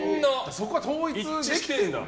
そこは統一できているんだ。